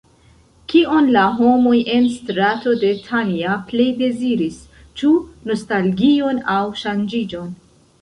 Kion la homoj en Strato de Tanja plej deziris, ĉu nostalgion aŭ ŝanĝiĝon?